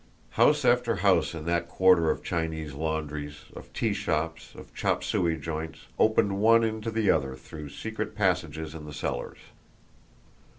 House after house in that quarter of Chinese laundries, of tea shops, of chop suey joints, opened one into the other through secret passages in the cellars.